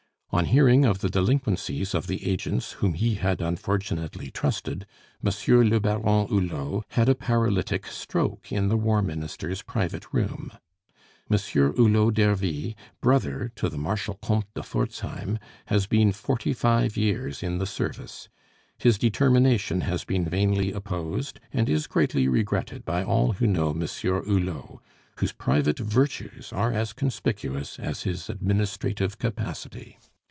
On hearing of the delinquencies of the agents whom he had unfortunately trusted, Monsieur le Baron Hulot had a paralytic stroke in the War Minister's private room. "Monsieur Hulot d'Ervy, brother to the Marshal Comte de Forzheim, has been forty five years in the service. His determination has been vainly opposed, and is greatly regretted by all who know Monsieur Hulot, whose private virtues are as conspicuous as his administrative capacity.